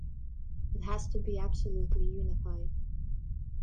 It has to be absolutely unified.